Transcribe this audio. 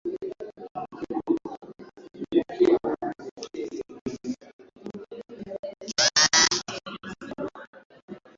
mbali nchini Uingereza Ni kawaida kufikiri kwamba